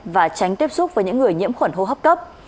và tránh tiếp xúc với những người nhiễm khuẩn hô hấp cấp